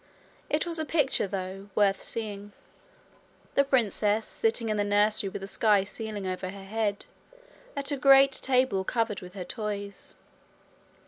It was a picture, though, worth seeing the princess sitting in the nursery with the sky ceiling over her head, at a great table covered with her toys.